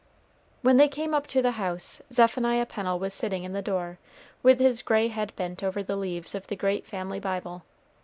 When they came up to the house, Zephaniah Pennel was sitting in the door, with his gray head bent over the leaves of the great family Bible.